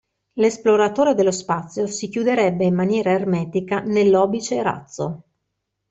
L'esploratore dello spazio si chiuderebbe in maniera ermetica nell'obice-razzo.